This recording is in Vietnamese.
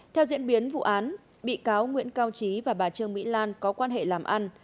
theo diễn biến vụ án bị cáo nguyễn cao trí và bà trương mỹ lan có quan hệ làm ăn